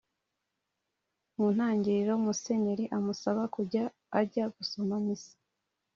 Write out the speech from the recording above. Mu ntangiriro Musenyeri amusaba kujya ajya gusoma misa